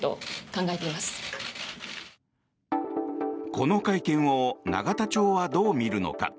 この会見を永田町はどう見るのか。